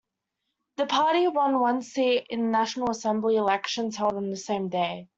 The party won one seat in National Assembly elections held on the same day.